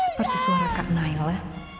seperti suara kak nailah